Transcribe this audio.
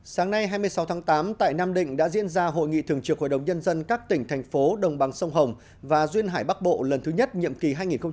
sáng nay hai mươi sáu tháng tám tại nam định đã diễn ra hội nghị thường trực hội đồng nhân dân các tỉnh thành phố đồng bằng sông hồng và duyên hải bắc bộ lần thứ nhất nhiệm kỳ hai nghìn một mươi sáu hai nghìn hai mươi sáu